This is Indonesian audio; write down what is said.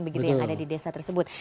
begitu yang ada di desa tersebut